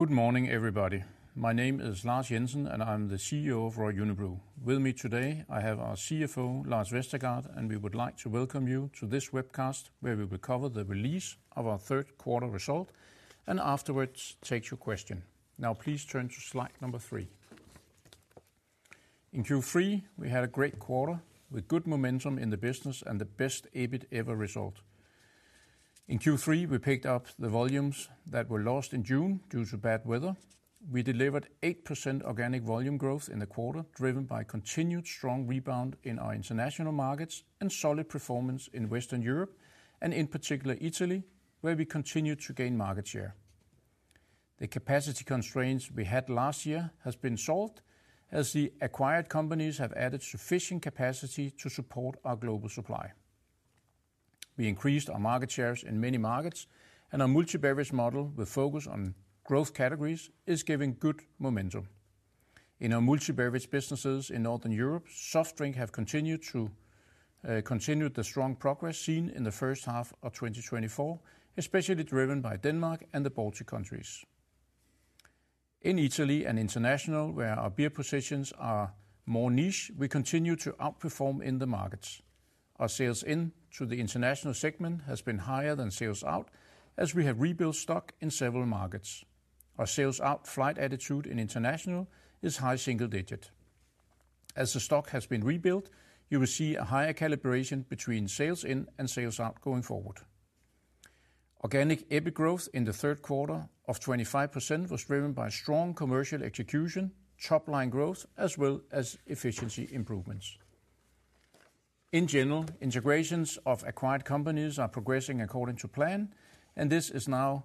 Good morning, everybody. My name is Lars Jensen, and I'm the CEO of Royal Unibrew. With me today, I have our CFO, Lars Vestergaard, and we would like to welcome you to this webcast where we will cover the release of our Third Quarter Result, and afterwards take your questions. Now, please turn to slide number three. In Q3, we had a great quarter with good momentum in the business and the best EBIT ever result. In Q3, we picked up the volumes that were lost in June due to bad weather. We delivered 8% organic volume growth in the quarter, driven by continued strong rebound in our international markets and solid performance in Western Europe, and in particular Italy, where we continued to gain market share. The capacity constraints we had last year have been solved as the acquired companies have added sufficient capacity to support our global supply. We increased our market shares in many markets, and our multi-beverage model with focus on growth categories is giving good momentum. In our multi-beverage businesses in Northern Europe, soft drinks have continued the strong progress seen in the first half of 2024, especially driven by Denmark and the Baltic countries. In Italy and International, where our beer positions are more niche, we continue to outperform in the markets. Our sales into the International segment have been higher than sales out, as we have rebuilt stock in several markets. Our sales-out growth in International is high single-digit. As the stock has been rebuilt, you will see a higher correlation between sales in and sales out going forward. Organic EBIT growth in the third quarter of 25% was driven by strong commercial execution, top-line growth, as well as efficiency improvements. In general, integrations of acquired companies are progressing according to plan, and this is now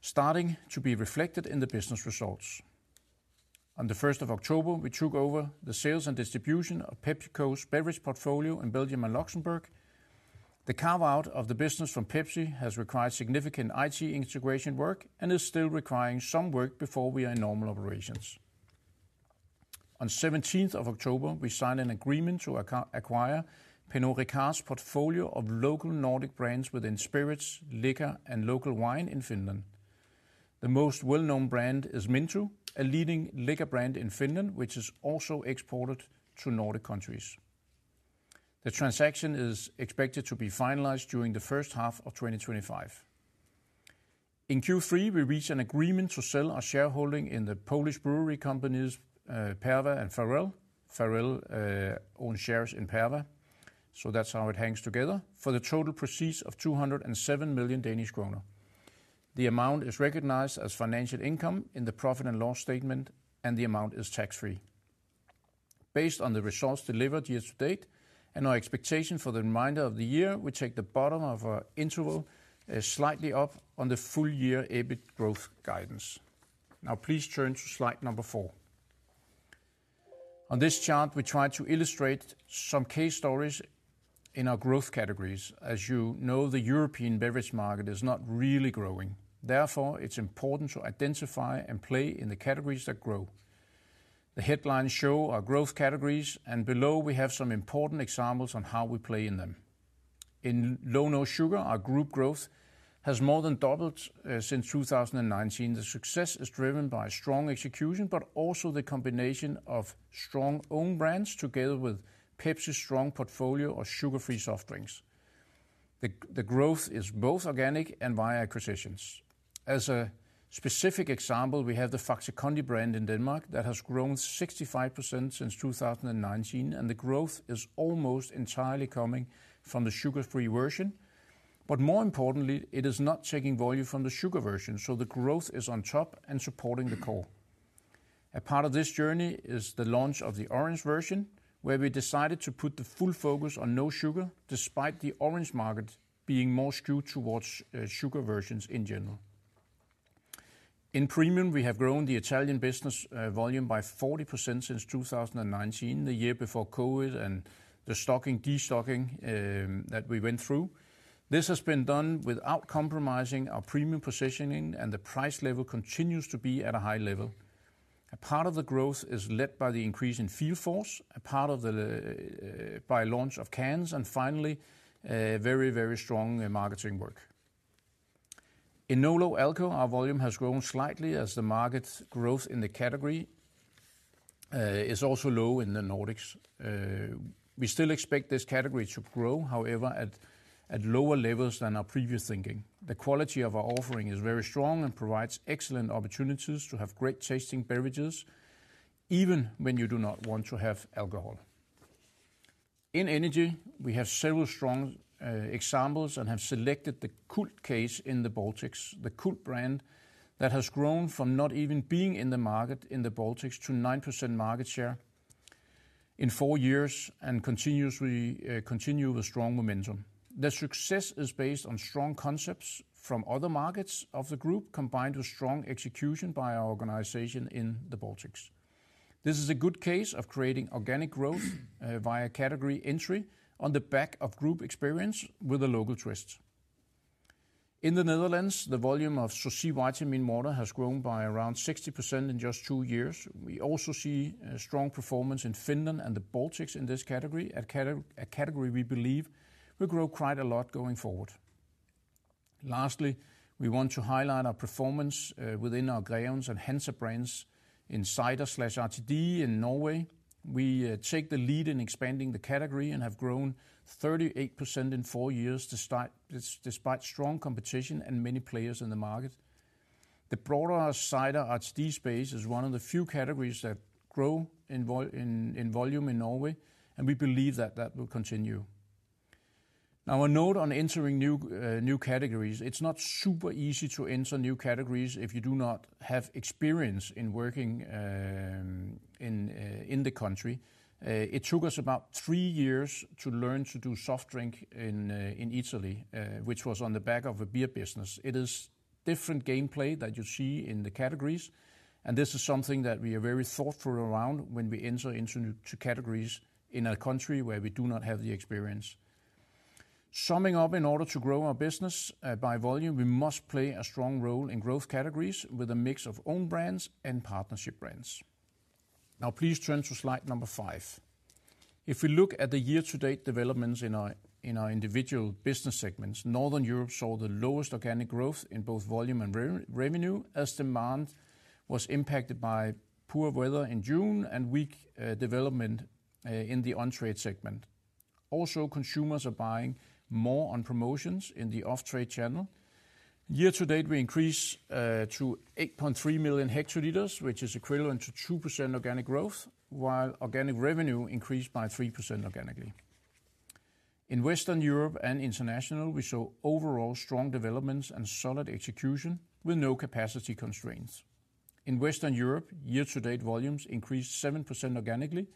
starting to be reflected in the business results. On the 1st of October, we took over the sales and distribution of PepsiCo's beverage portfolio in Belgium and Luxembourg. The carve-out of the business from Pepsi has required significant IT integration work and is still requiring some work before we are in normal operations. On the 17th of October, we signed an agreement to acquire Pernod Ricard's portfolio of local Nordic brands within spirits, liqueur, and local wine in Finland. The most well-known brand is Minttu, a leading liqueurbrand in Finland, which is also exported to Nordic countries. The transaction is expected to be finalized during the first half of 2025. In Q3, we reached an agreement to sell our shareholding in the Polish brewery companies Perła and Ferell. Ferell owns shares in Perła, so that's how it hangs together, for the total proceeds of 207 million Danish kroner. The amount is recognized as financial income in the profit and loss statement, and the amount is tax-free. Based on the results delivered year to date and our expectation for the remainder of the year, we take the bottom of our interval slightly up on the full-year EBIT growth guidance. Now, please turn to slide number four. On this chart, we try to illustrate some case stories in our growth categories. As you know, the European beverage market is not really growing. Therefore, it's important to identify and play in the categories that grow. The headlines show our growth categories, and below, we have some important examples on how we play in them. In low/no sugar, our group growth has more than doubled since 2019. The success is driven by strong execution, but also the combination of strong-owned brands together with Pepsi's strong portfolio of sugar-free soft drinks. The growth is both organic and via acquisitions. As a specific example, we have the Faxe Kondi brand in Denmark that has grown 65% since 2019, and the growth is almost entirely coming from the sugar-free version. But more importantly, it is not taking volume from the sugar version, so the growth is on top and supporting the core. A part of this journey is the launch of the orange version, where we decided to put the full focus on no sugar, despite the orange market being more skewed towards sugar versions in general. In premium, we have grown the Italian business volume by 40% since 2019, the year before COVID and the stocking and de-stocking that we went through. This has been done without compromising our premium positioning, and the price level continues to be at a high level. A part of the growth is led by the increase in field force, a part by the launch of cans, and finally, very, very strong marketing work. In no/low alcohol, our volume has grown slightly as the market growth in the category is also low in the Nordics. We still expect this category to grow, however, at lower levels than our previous thinking. The quality of our offering is very strong and provides excellent opportunities to have great tasting beverages, even when you do not want to have alcohol. In energy, we have several strong examples and have selected the CULT case in the Baltics, the CULT brand that has grown from not even being in the market in the Baltics to 9% market share in four years and continues with strong momentum. The success is based on strong concepts from other markets of the group, combined with strong execution by our organization in the Baltics. This is a good case of creating organic growth via category entry on the back of group experience with the local twist. In the Netherlands, the volume of Sourcy Vitamin Water has grown by around 60% in just two years. We also see strong performance in Finland and the Baltics in this category, a category we believe will grow quite a lot going forward. Lastly, we want to highlight our performance within our Grevens and Hansa brands in Cider/RTD in Norway. We take the lead in expanding the category and have grown 38% in four years, despite strong competition and many players in the market. The broader Cider/RTD space is one of the few categories that grow in volume in Norway, and we believe that that will continue. Now, a note on entering new categories. It's not super easy to enter new categories if you do not have experience in working in the country. It took us about three years to learn to do soft drink in Italy, which was on the back of a beer business. It is different gameplay that you see in the categories, and this is something that we are very thoughtful around when we enter into categories in a country where we do not have the experience. Summing up, in order to grow our business by volume, we must play a strong role in growth categories with a mix of own brands and partnership brands. Now, please turn to slide number five. If we look at the year-to-date developments in our individual business segments, Northern Europe saw the lowest organic growth in both volume and revenue, as demand was impacted by poor weather in June and weak development in the on-trade segment. Also, consumers are buying more on promotions in the off-trade channel. Year-to-date, we increased to 8.3 million hl, which is equivalent to 2% organic growth, while organic revenue increased by 3% organically. In Western Europe and International, we saw overall strong developments and solid execution with no capacity constraints. In Western Europe, year-to-date volumes increased 7% organically,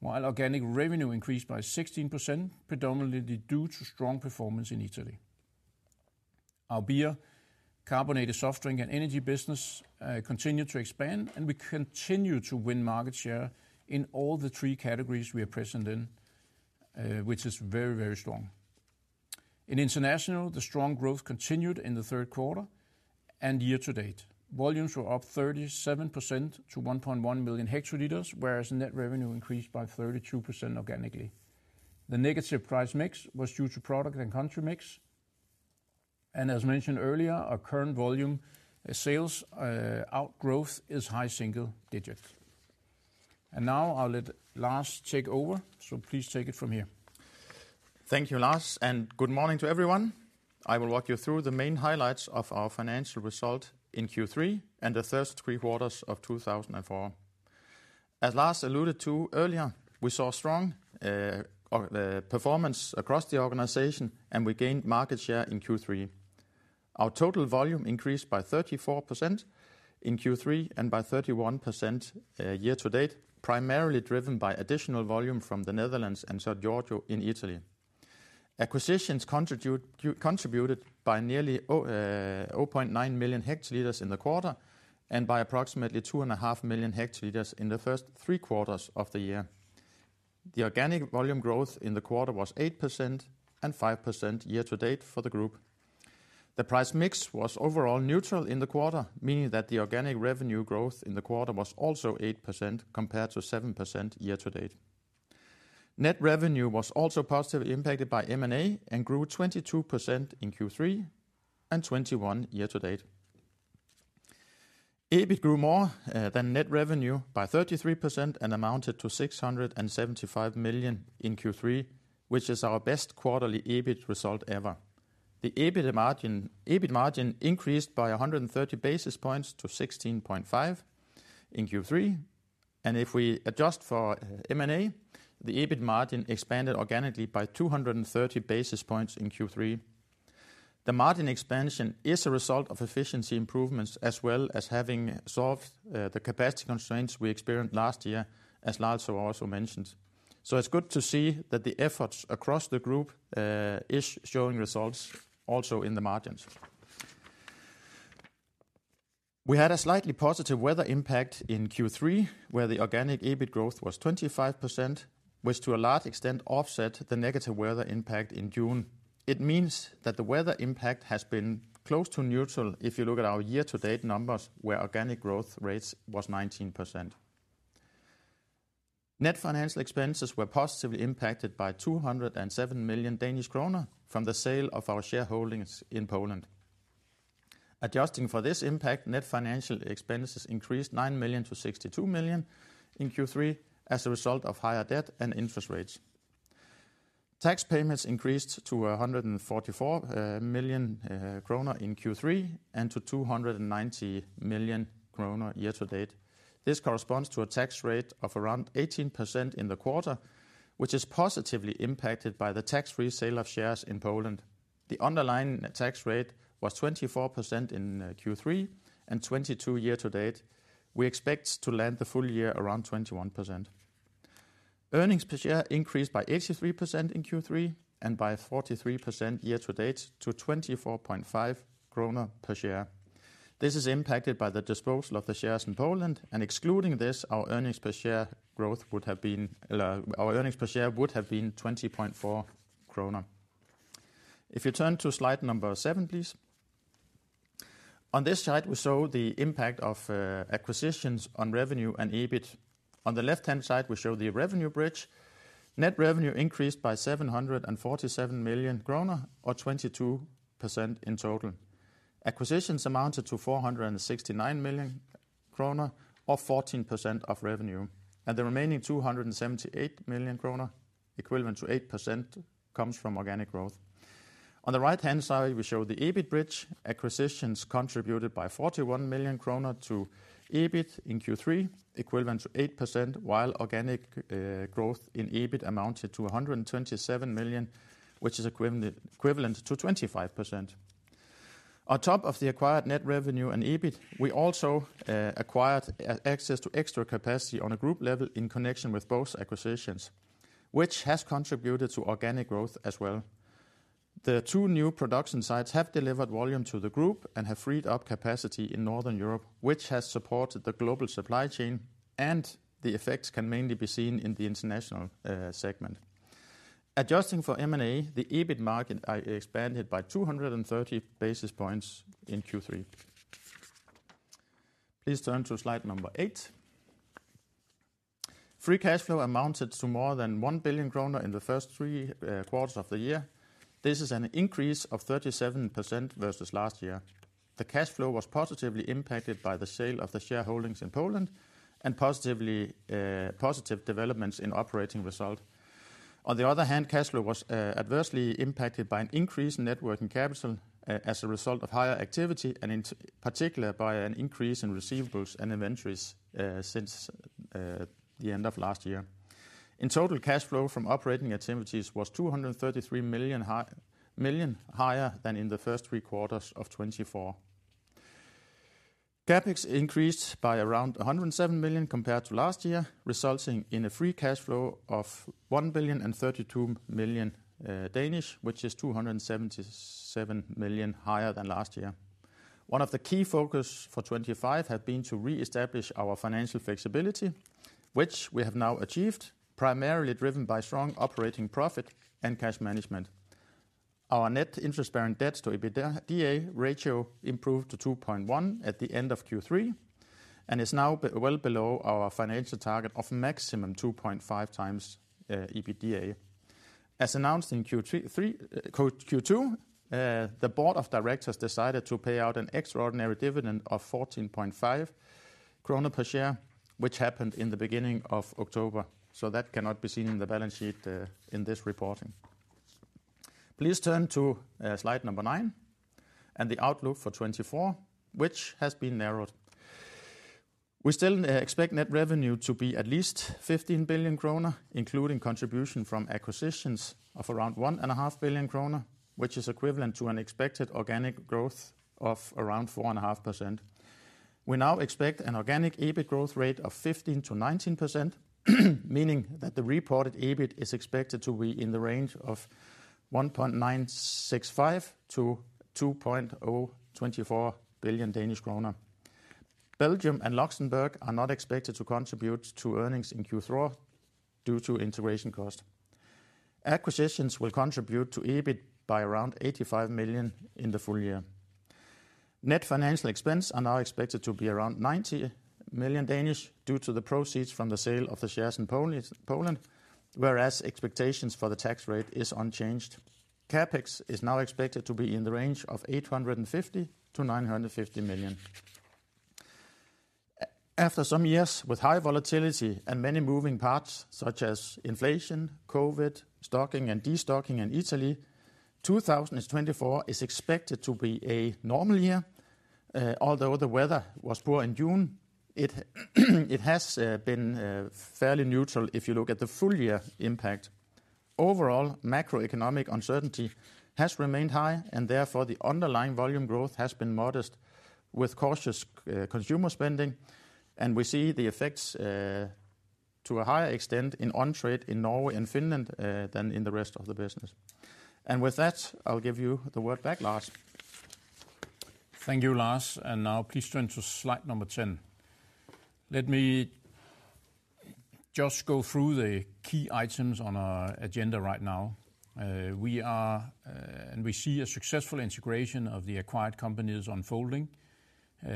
while organic revenue increased by 16%, predominantly due to strong performance in Italy. Our beer, carbonated soft drink, and energy business continue to expand, and we continue to win market share in all the three categories we are present in, which is very, very strong. In international, the strong growth continued in the third quarter and year-to-date. Volumes were up 37% to 1.1 million hl, whereas net revenue increased by 32% organically. The negative price mix was due to product and country mix. And as mentioned earlier, our current volume sales out-growth is high single-digit. And now I'll let Lars take over, so please take it from here. Thank you, Lars, and good morning to everyone. I will walk you through the main highlights of our financial result in Q3 and the first three quarters of 2024. As Lars alluded to earlier, we saw strong performance across the organization, and we gained market share in Q3. Our total volume increased by 34% in Q3 and by 31% year-to-date, primarily driven by additional volume from the Netherlands and San Giorgio in Italy. Acquisitions contributed by nearly 0.9 million hl in the quarter and by approximately 2.5 million hl in the first three quarters of the year. The organic volume growth in the quarter was 8% and 5% year-to-date for the group. The price mix was overall neutral in the quarter, meaning that the organic revenue growth in the quarter was also 8% compared to 7% year-to-date. Net revenue was also positively impacted by M&A and grew 22% in Q3 and 21% year-to-date. EBIT grew more than net revenue by 33% and amounted to 675 million in Q3, which is our best quarterly EBIT result ever. The EBIT margin increased by 130 basis points to 16.5% in Q3, and if we adjust for M&A, the EBIT margin expanded organically by 230 basis points in Q3. The margin expansion is a result of efficiency improvements as well as having solved the capacity constraints we experienced last year, as Lars also mentioned. So it's good to see that the efforts across the group are showing results also in the margins. We had a slightly positive weather impact in Q3, where the organic EBIT growth was 25%, which to a large extent offset the negative weather impact in June. It means that the weather impact has been close to neutral if you look at our year-to-date numbers, where organic growth rate was 19%. Net financial expenses were positively impacted by 207 million Danish kroner from the sale of our shareholdings in Poland. Adjusting for this impact, net financial expenses increased 9 million to 62 million in Q3 as a result of higher debt and interest rates. Tax payments increased to 144 million kroner in Q3 and to 290 million kroner year-to-date. This corresponds to a tax rate of around 18% in the quarter, which is positively impacted by the tax-free sale of shares in Poland. The underlying tax rate was 24% in Q3 and 22% year-to-date. We expect to land the full year around 21%. Earnings per share increased by 83% in Q3 and by 43% year-to-date to 24.5 kroner per share. This is impacted by the disposal of the shares in Poland, and excluding this, our earnings per share would have been 20.4 kroner. If you turn to slide number seven, please. On this slide, we saw the impact of acquisitions on revenue and EBIT. On the left-hand side, we show the revenue bridge. Net revenue increased by 747 million kroner, or 22% in total. Acquisitions amounted to 469 million kroner, or 14% of revenue, and the remaining 278 million kroner, equivalent to 8%, comes from organic growth. On the right-hand side, we show the EBIT bridge. Acquisitions contributed 41 million kroner to EBIT in Q3, equivalent to 8%, while organic growth in EBIT amounted to 127 million, which is equivalent to 25%. On top of the acquired net revenue and EBIT, we also acquired access to extra capacity on a group level in connection with both acquisitions, which has contributed to organic growth as well. The two new production sites have delivered volume to the group and have freed up capacity in Northern Europe, which has supported the global supply chain, and the effects can mainly be seen in the international segment. Adjusting for M&A, the EBIT margin expanded by 230 basis points in Q3. Please turn to slide number eight. Free cash flow amounted to more than 1 billion kroner in the first three quarters of the year. This is an increase of 37% versus last year. The cash flow was positively impacted by the sale of the shareholdings in Poland and positive developments in operating result. On the other hand, cash flow was adversely impacted by an increase in net working capital as a result of higher activity, and in particular by an increase in receivables and inventories since the end of last year. In total, cash flow from operating activities was 233 million higher than in the first three quarters of 2024. CapEx increased by around 107 million compared to last year, resulting in a free cash flow of 1.032 billion, which is 277 million higher than last year. One of the key focuses for 2025 had been to re-establish our financial flexibility, which we have now achieved, primarily driven by strong operating profit and cash management. Our net interest-bearing debt to EBITDA ratio improved to 2.1 at the end of Q3 and is now well below our financial target of maximum 2.5 x EBITDA. As announced in Q2, the Board of Directors decided to pay out an extraordinary dividend of 14.5 krone per share, which happened in the beginning of October. So that cannot be seen in the balance sheet in this reporting. Please turn to slide number nine and the outlook for 2024, which has been narrowed. We still expect net revenue to be at least 15 billion kroner, including contribution from acquisitions of around 1.5 billion kroner, which is equivalent to an expected organic growth of around 4.5%. We now expect an organic EBIT growth rate of 15% to 19%, meaning that the reported EBIT is expected to be in the range of 1.965-2.024 billion Danish kroner. Belgium and Luxembourg are not expected to contribute to earnings in Q4 due to integration cost. Acquisitions will contribute to EBIT by around 85 million in the full year. Net financial expense are now expected to be around 90 million due to the proceeds from the sale of the shares in Poland, whereas expectations for the tax rate are unchanged. CapEx is now expected to be in the range of 850 million-950 million. After some years with high volatility and many moving parts, such as inflation, COVID, stocking and destocking in Italy, 2024 is expected to be a normal year. Although the weather was poor in June, it has been fairly neutral if you look at the full year impact. Overall, macroeconomic uncertainty has remained high, and therefore the underlying volume growth has been modest, with cautious consumer spending, and we see the effects to a higher extent in on-trade in Norway and Finland than in the rest of the business. And with that, I'll give you the word back, Lars. Thank you, Lars. And now please turn to slide number 10. Let me just go through the key items on our agenda right now. We are and we see a successful integration of the acquired companies unfolding.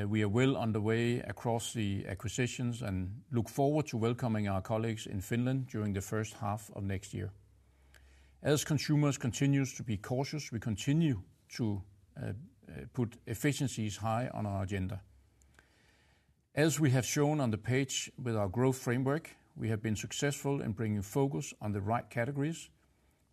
We are well underway across the acquisitions and look forward to welcoming our colleagues in Finland during the first half of next year. As consumers continue to be cautious, we continue to put efficiencies high on our agenda. As we have shown on the page with our growth framework, we have been successful in bringing focus on the right categories.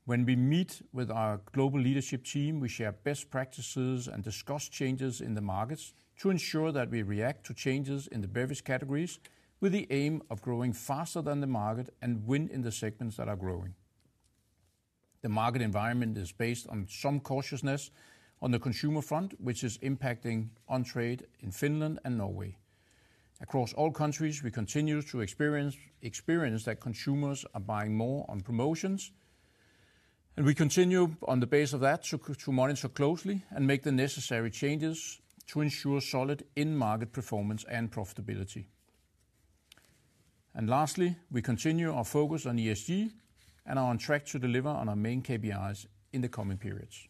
When we meet with our global leadership team, we share best practices and discuss changes in the markets to ensure that we react to changes in the various categories with the aim of growing faster than the market and win in the segments that are growing. The market environment is based on some cautiousness on the consumer front, which is impacting on-trade in Finland and Norway. Across all countries, we continue to experience that consumers are buying more on promotions, and we continue on the basis of that to monitor closely and make the necessary changes to ensure solid in-market performance and profitability. And lastly, we continue our focus on ESG and are on track to deliver on our main KPIs in the coming periods.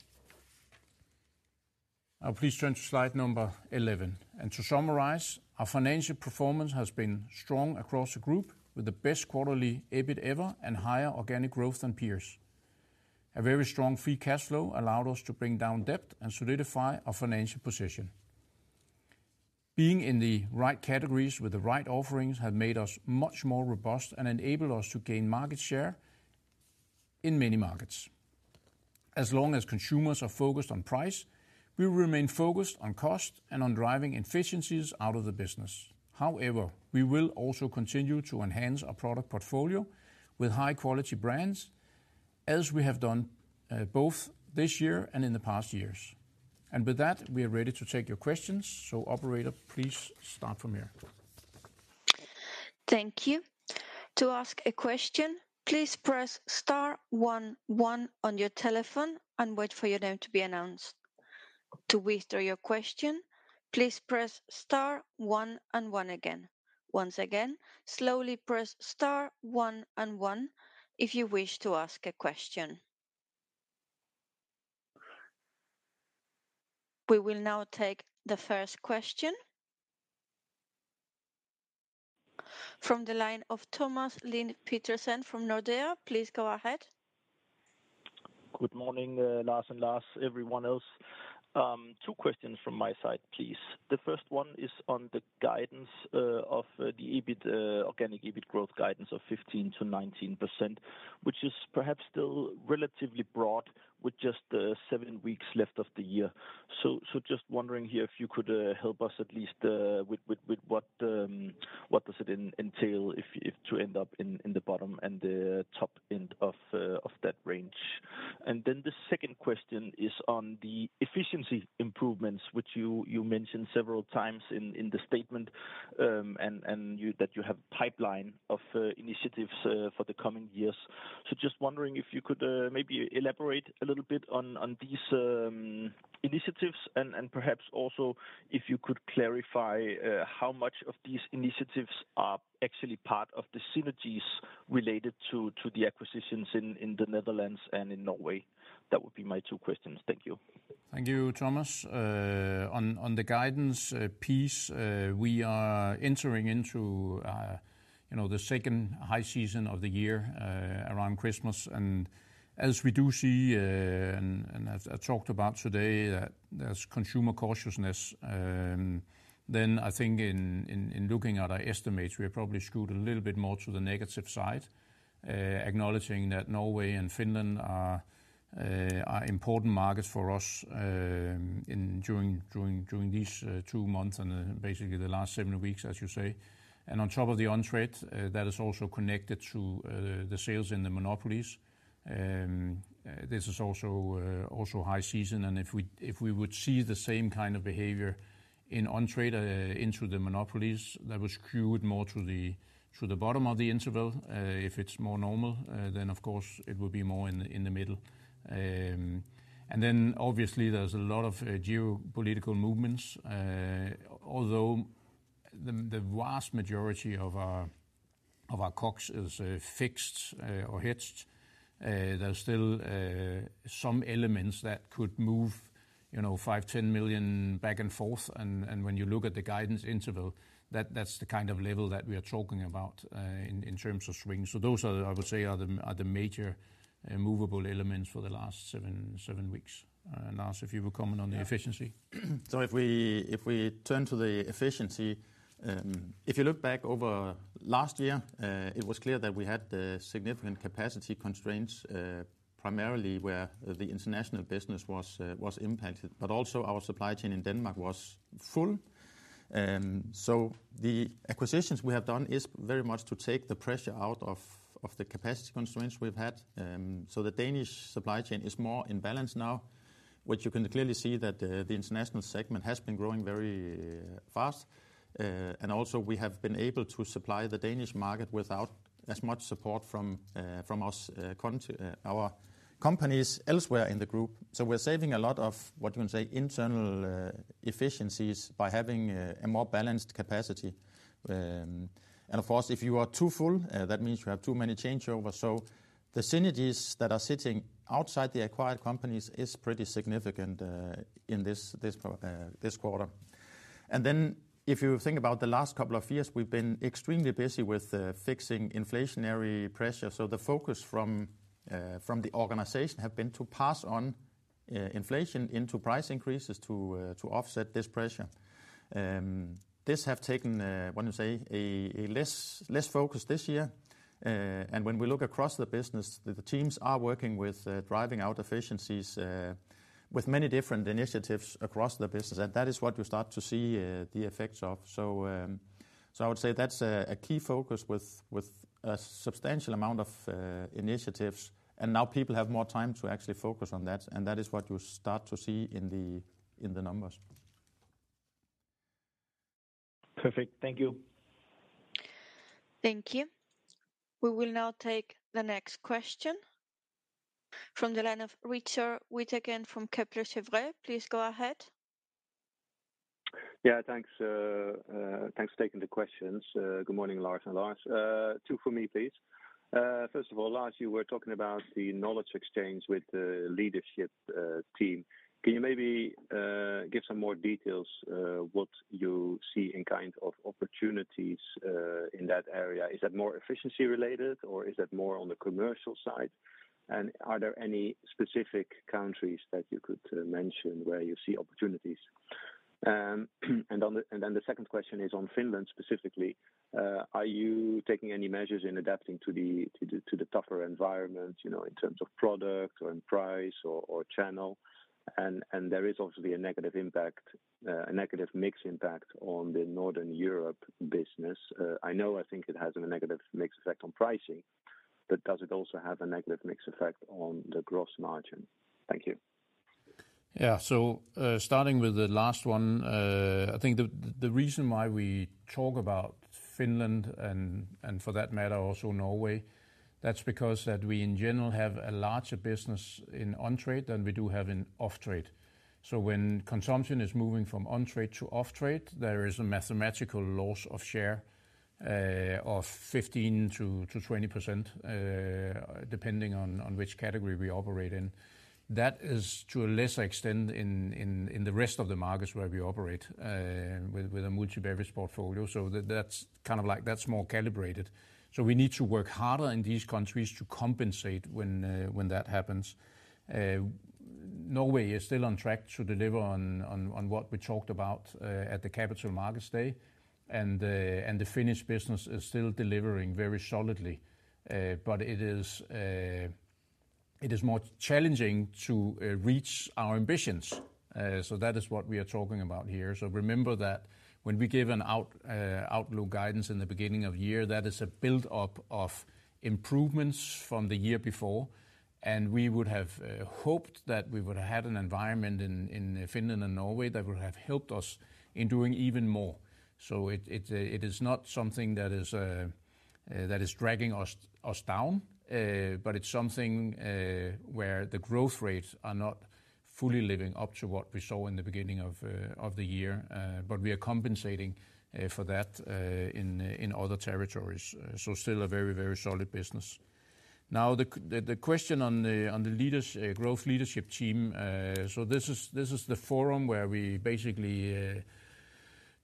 Now please turn to slide number 11. And to summarize, our financial performance has been strong across the group with the best quarterly EBIT ever and higher organic growth than peers. A very strong free cash flow allowed us to bring down debt and solidify our financial position. Being in the right categories with the right offerings has made us much more robust and enabled us to gain market share in many markets. As long as consumers are focused on price, we will remain focused on cost and on driving efficiencies out of the business. However, we will also continue to enhance our product portfolio with high-quality brands, as we have done both this year and in the past years. And with that, we are ready to take your questions. So operator, please start from here. Thank you. To ask a question, please press star one one on your telephone and wait for your name to be announced. To withdraw your question, please press star one and one again. Once again, slowly press star one and one if you wish to ask a question. We will now take the first question from the line of Thomas Lind Petersen from Nordea. Please go ahead. Good morning, Lars and Lars, everyone else. Two questions from my side, please. The first one is on the guidance of the organic EBIT growth guidance of 15% to 19%, which is perhaps still relatively broad with just seven weeks left of the year. So just wondering here if you could help us at least with what does it entail if to end up in the bottom and the top end of that range. And then the second question is on the efficiency improvements, which you mentioned several times in the statement and that you have a pipeline of initiatives for the coming years. So just wondering if you could maybe elaborate a little bit on these initiatives and perhaps also if you could clarify how much of these initiatives are actually part of the synergies related to the acquisitions in the Netherlands and in Norway. That would be my two questions. Thank you. Thank you, Thomas. On the guidance piece, we are entering into the second high season of the year around Christmas. And as we do see, and as I talked about today, there's consumer cautiousness. Then I think in looking at our estimates, we are probably skewed a little bit more to the negative side, acknowledging that Norway and Finland are important markets for us during these two months and basically the last seven weeks, as you say. And on top of the on-trade, that is also connected to the sales in the monopolies. This is also high season. And if we would see the same kind of behavior in on-trade into the monopolies, that would skew it more to the bottom of the interval. If it's more normal, then of course it would be more in the middle. And then obviously there's a lot of geopolitical movements. Although the vast majority of our COGS is fixed or hedged, there's still some elements that could move 5 million, 10 million back and forth, and when you look at the guidance interval, that's the kind of level that we are talking about in terms of swings, so those are, I would say, the major movable elements for the last seven weeks, and Lars, if you were commenting on the efficiency. So if we turn to the efficiency, if you look back over last year, it was clear that we had significant capacity constraints, primarily where the international business was impacted, but also our supply chain in Denmark was full. So the acquisitions we have done is very much to take the pressure out of the capacity constraints we've had. So the Danish supply chain is more in balance now, which you can clearly see that the international segment has been growing very fast. And also we have been able to supply the Danish market without as much support from our companies elsewhere in the group. So we're saving a lot of, what you can say, internal efficiencies by having a more balanced capacity. And of course, if you are too full, that means you have too many changeovers. So the synergies that are sitting outside the acquired companies are pretty significant in this quarter. And then if you think about the last couple of years, we've been extremely busy with fixing inflationary pressure. So the focus from the organization has been to pass on inflation into price increases to offset this pressure. This has taken, what you say, a less focus this year. And when we look across the business, the teams are working with driving out efficiencies with many different initiatives across the business. And that is what you start to see the effects of. So I would say that's a key focus with a substantial amount of initiatives. And now people have more time to actually focus on that. And that is what you start to see in the numbers. Perfect. Thank you. Thank you. We will now take the next question from the line of Richard Withagen from Kepler Cheuvreux. Please go ahead. Yeah, thanks. Thanks for taking the questions. Good morning, Lars and Lars. Two for me, please. First of all, Lars, you were talking about the knowledge exchange with the leadership team. Can you maybe give some more details on what you see in kind of opportunities in that area? Is that more efficiency related, or is that more on the commercial side? And are there any specific countries that you could mention where you see opportunities? And then the second question is on Finland specifically. Are you taking any measures in adapting to the tougher environment in terms of product or in price or channel? And there is obviously a negative impact, a negative mix impact on the Northern Europe business. I know I think it has a negative mix effect on pricing, but does it also have a negative mix effect on the gross margin? Thank you. Yeah, so starting with the last one, I think the reason why we talk about Finland and for that matter also Norway. That's because that we in general have a larger business in on-trade than we do have in off-trade. So when consumption is moving from on-trade to off-trade, there is a mathematical loss of share of 15%-20% depending on which category we operate in. That is to a lesser extent in the rest of the markets where we operate with a multi-beverage portfolio. So that's kind of like that's more calibrated. So we need to work harder in these countries to compensate when that happens. Norway is still on track to deliver on what we talked about at the capital markets day. And the Finnish business is still delivering very solidly. But it is more challenging to reach our ambitions. So that is what we are talking about here. So remember that when we gave an outlook guidance in the beginning of the year, that is a build-up of improvements from the year before. And we would have hoped that we would have had an environment in Finland and Norway that would have helped us in doing even more. So it is not something that is dragging us down, but it's something where the growth rates are not fully living up to what we saw in the beginning of the year. But we are compensating for that in other territories. So still a very, very solid business. Now the question on the growth leadership team, so this is the forum where we basically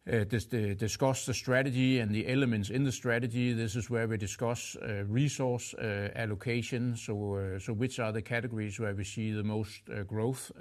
discuss the strategy and the elements in the strategy. This is where we discuss resource allocation. So which are the categories where we see the most growth?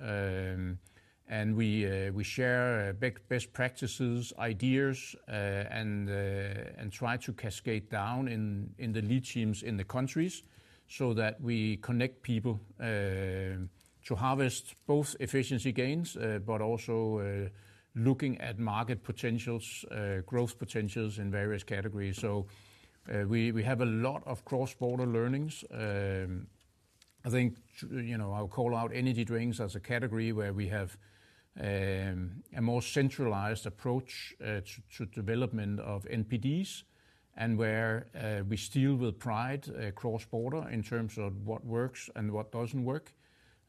We share best practices, ideas, and try to cascade down in the lead teams in the countries so that we connect people to harvest both efficiency gains, but also looking at market potentials, growth potentials in various categories. We have a lot of cross-border learnings. I think I'll call out energy drinks as a category where we have a more centralized approach to development of NPDs and where we steal with pride across borders in terms of what works and what doesn't work.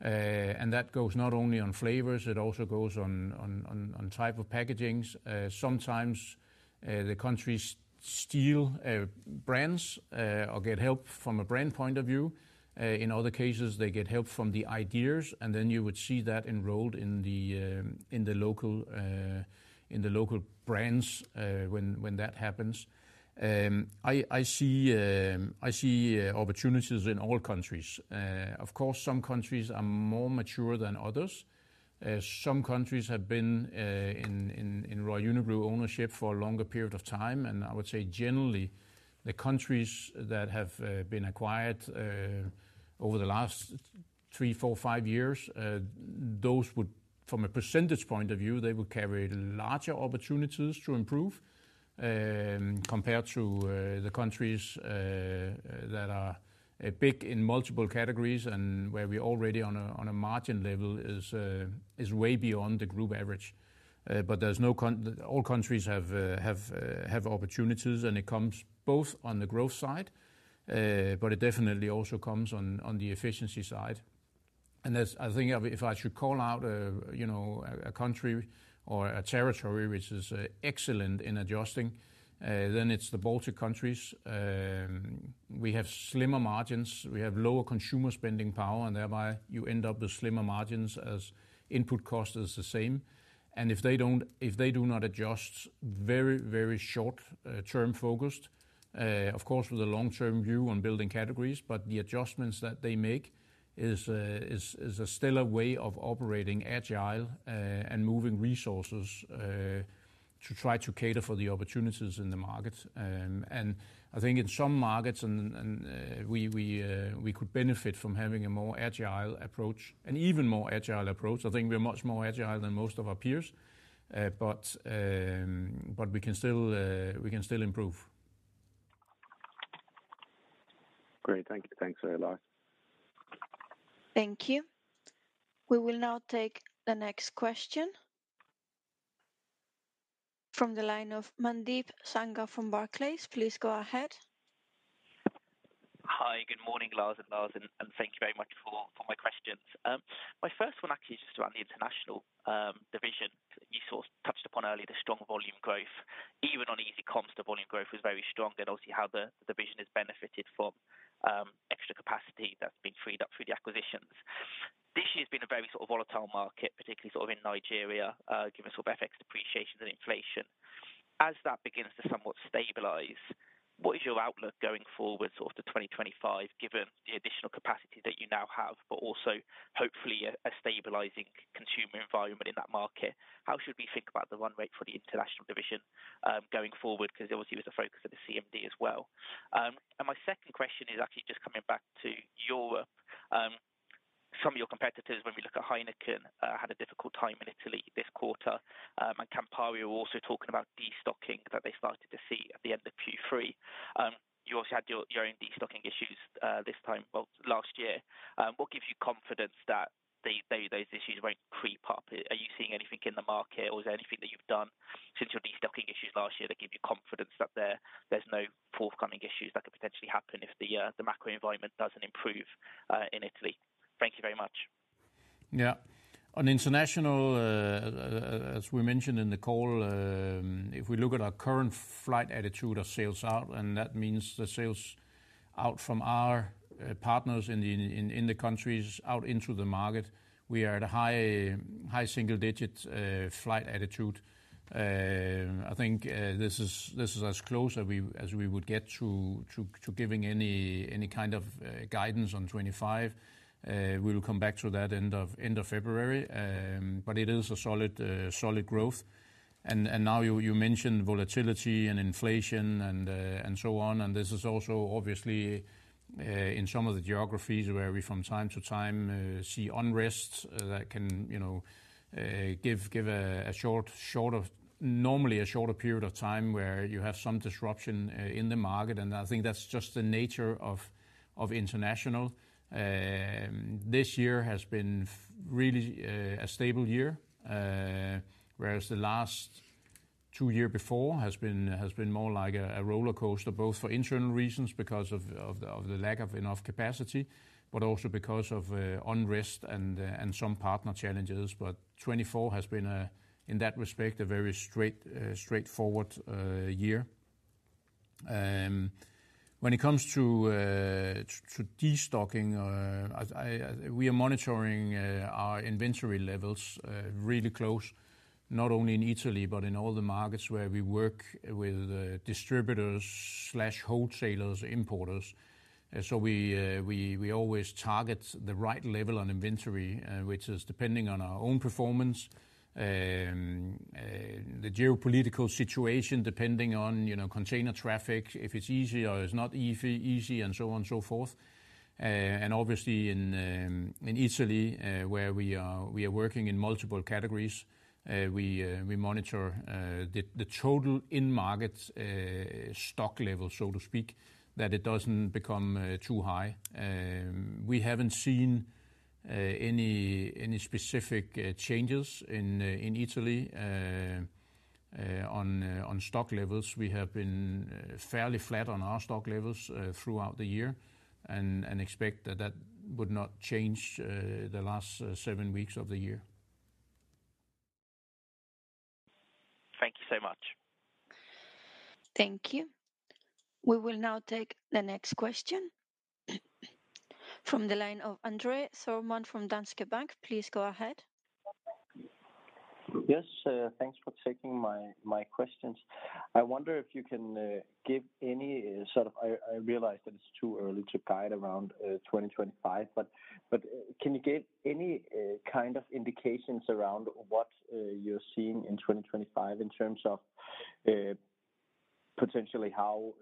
That goes not only on flavors, it also goes on type of packaging. Sometimes the countries steal brands or get help from a brand point of view. In other cases, they get help from the ideas. You would see that rolled into the local brands when that happens. I see opportunities in all countries. Of course, some countries are more mature than others. Some countries have been in Royal Unibrew ownership for a longer period of time. And I would say generally the countries that have been acquired over the last three, four, five years, those would, from a percentage point of view, they would carry larger opportunities to improve compared to the countries that are big in multiple categories and where we are already on a margin level is way beyond the group average. But all countries have opportunities and it comes both on the growth side, but it definitely also comes on the efficiency side. And I think if I should call out a country or a territory which is excellent in adjusting, then it's the Baltic countries. We have slimmer margins, we have lower consumer spending power, and thereby you end up with slimmer margins as input cost is the same. If they do not adjust very, very short-term focused, of course with a long-term view on building categories, but the adjustments that they make is a stellar way of operating agile and moving resources to try to cater for the opportunities in the market. I think in some markets we could benefit from having a more agile approach, an even more agile approach. I think we are much more agile than most of our peers, but we can still improve. Great. Thank you. Thanks very much. Thank you. We will now take the next question from the line of Mandeep Sangha from Barclays. Please go ahead. Hi, good morning, Lars and Lars, and thank you very much for my questions. My first one actually is just around the international division. You sort of touched upon earlier the strong volume growth. Even on easy comps, the volume growth was very strong and obviously how the division has benefited from extra capacity that's been freed up through the acquisitions. This year has been a very sort of volatile market, particularly sort of in Nigeria, given sort of FX depreciation and inflation. As that begins to somewhat stabilize, what is your outlook going forward sort of to 2025, given the additional capacity that you now have, but also hopefully a stabilizing consumer environment in that market? How should we think about the run rate for the international division going forward? Because obviously it was a focus of the CMD as well. My second question is actually just coming back to Europe. Some of your competitors, when we look at Heineken, had a difficult time in Italy this quarter. And Campari were also talking about destocking that they started to see at the end of Q3. You also had your own destocking issues this time, well, last year. What gives you confidence that those issues won't creep up? Are you seeing anything in the market or is there anything that you've done since your destocking issues last year that gives you confidence that there's no forthcoming issues that could potentially happen if the macro environment doesn't improve in Italy? Thank you very much. Yeah. On international, as we mentioned in the call, if we look at our current flight attitude of sales out, and that means the sales out from our partners in the countries out into the market, we are at a high single-digit flight attitude. I think this is as close as we would get to giving any kind of guidance on 2025. We will come back to that end of February, but it is a solid growth, and now you mentioned volatility and inflation and so on, and this is also obviously in some of the geographies where we from time to time see unrest that can give a short, normally a shorter period of time where you have some disruption in the market, and I think that's just the nature of international. This year has been really a stable year, whereas the last two years before has been more like a roller coaster, both for internal reasons because of the lack of enough capacity, but also because of unrest and some partner challenges. But 2024 has been, in that respect, a very straightforward year. When it comes to destocking, we are monitoring our inventory levels really close, not only in Italy, but in all the markets where we work with distributors/wholesalers/importers. So we always target the right level on inventory, which is depending on our own performance, the geopolitical situation depending on container traffic, if it's easy or it's not easy, and so on and so forth, and obviously in Italy, where we are working in multiple categories, we monitor the total in-market stock level, so to speak, that it doesn't become too high. We haven't seen any specific changes in Italy on stock levels. We have been fairly flat on our stock levels throughout the year and expect that that would not change the last seven weeks of the year. Thank you so much. Thank you. We will now take the next question from the line of André Thormann from Danske Bank. Please go ahead. Yes, thanks for taking my questions. I wonder if you can give any sort of, I realize that it's too early to guide around 2025, but can you give any kind of indications around what you're seeing in 2025 in terms of potentially how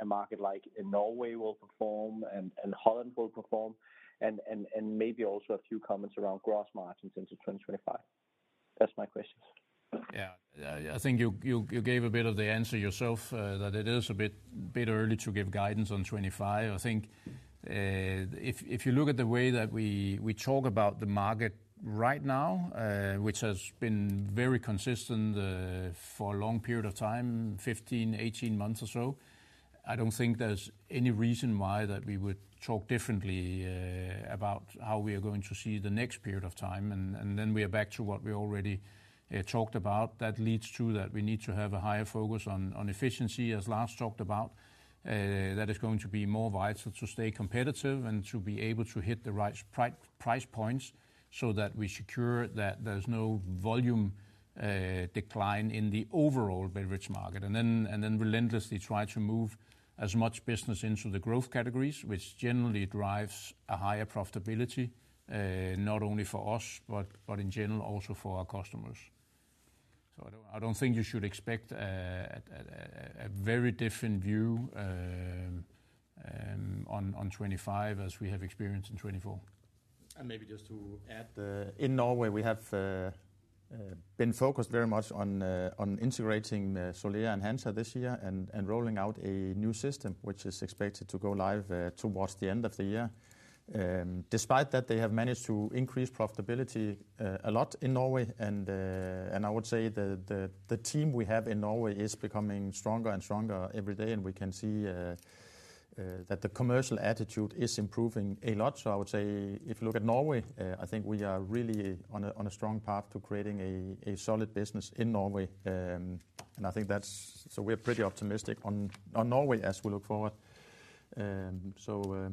a market like Norway will perform and Holland will perform, and maybe also a few comments around gross margins into 2025. That's my question. Yeah, I think you gave a bit of the answer yourself that it is a bit early to give guidance on 2025. I think if you look at the way that we talk about the market right now, which has been very consistent for a long period of time, 15, 18 months or so, I don't think there's any reason why that we would talk differently about how we are going to see the next period of time, and then we are back to what we already talked about. That leads to that we need to have a higher focus on efficiency, as Lars talked about. That is going to be more vital to stay competitive and to be able to hit the right price points so that we secure that there's no volume decline in the overall beverage market. And then relentlessly try to move as much business into the growth categories, which generally drives a higher profitability, not only for us, but in general also for our customers. So I don't think you should expect a very different view on 2025 as we have experienced in 2024. And maybe just to add, in Norway, we have been focused very much on integrating Solera and Hansa this year and rolling out a new system, which is expected to go live towards the end of the year. Despite that, they have managed to increase profitability a lot in Norway. And I would say the team we have in Norway is becoming stronger and stronger every day. And we can see that the commercial attitude is improving a lot. So I would say if you look at Norway, I think we are really on a strong path to creating a solid business in Norway. And I think that's so we're pretty optimistic on Norway as we look forward. So